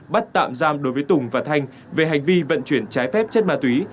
bắt tạm giam đối với tùng và thanh về hành vi vận chuyển trái phép chất ma túy